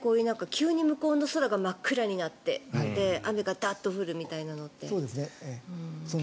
急に向こうの空が真っ暗になって、雨がダッと降るみたいなのって。